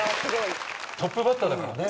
トップバッターだからね。